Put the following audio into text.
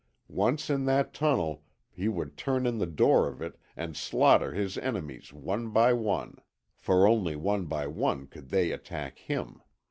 Once in that tunnel he would turn in the door of it and slaughter his enemies one by one, for only one by one could they attack him.